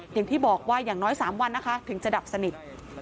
อย่างที่บอกว่าอย่างน้อย๓วันนะคะถึงจะดับสนิท